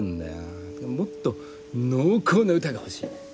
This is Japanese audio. もっと濃厚な歌が欲しい。